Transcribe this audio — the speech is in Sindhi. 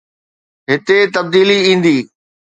هتي تبديلي ايندي.